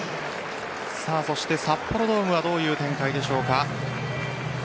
そして、札幌ドームはどういう展開でしょうか。